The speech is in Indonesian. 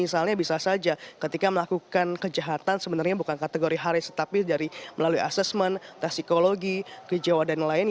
maka sudah tentunya bisa saja ketika melakukan kejahatan sebenarnya bukan kategori high risk tetapi melalui assessment dari psikologis kejauhan dan lain lain